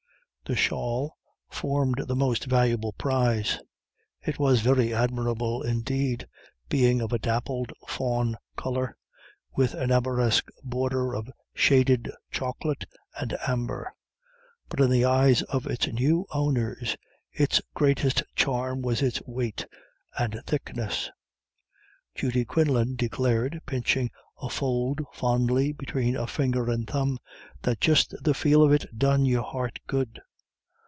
The shawl formed the most valuable prize. It was very admirable, indeed, being of a dappled fawn colour, with an arabesque border of shaded chocolate and amber; but in the eyes of its new owners its greatest charm was its weight and thickness. Judy Quinlan declared, pinching a fold fondly between a finger and thumb, that just the feel of it done your heart good.